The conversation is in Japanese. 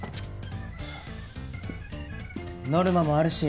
ノルマもあるしほら